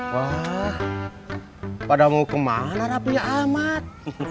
wah pada mau ke mana rapi ahmad